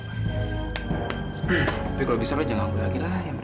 tapi kalo bisa jangan ganggu lagi lah ya men